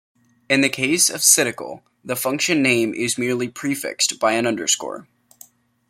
In the case of cdecl, the function name is merely prefixed by an underscore.